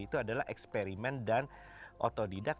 itu adalah eksperimen dan otodidak